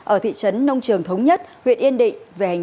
ở thị trấn nông trường thống nhất huyện yên định